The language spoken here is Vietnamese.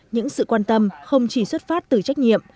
những sự quan tâm không chỉ xuất phát từ trách nhiệm